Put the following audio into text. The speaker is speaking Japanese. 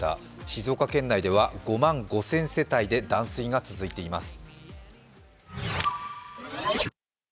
静岡県内では５万５０００世帯で断水が続いています。